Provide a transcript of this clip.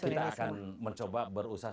kita akan mencoba berusaha